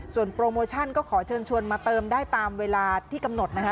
ส่วนโปรโมชั่นก็ขอเชิญชวนมาเติมได้ตามเวลาที่กำหนดนะคะ